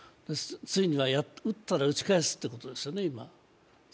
ついには撃ったら撃ち返すということですよね、今。